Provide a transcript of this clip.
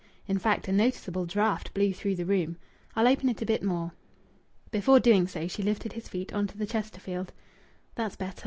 In fact, a noticeable draught blew through the room. "I'll open it a bit more." Before doing so she lifted his feet on to the Chesterfield. "That's better.